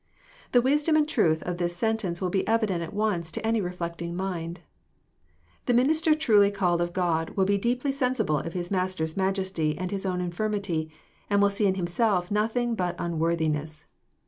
The wisdom and truth of th;s sentence will be evident at once to any reflecting mind. QThe minister truly called of God will be deeply sensible of his Master's majesty and his own infirmity, and will see in himself nothing but un worthiness.